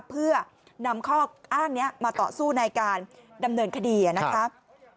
เพื่อนำข้ออ้างนี้มาต่อสู้ในการดำเนินคดีนะครับ